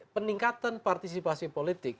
peningkatan partisipasi politik